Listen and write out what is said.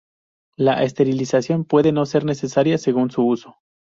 La esterilización puede no ser necesaria, según su uso.